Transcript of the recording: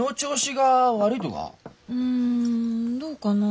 うんどうかな。